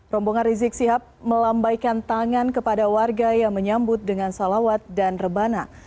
rombongan rizik sihab melambaikan tangan kepada warga yang menyambut dengan salawat dan rebana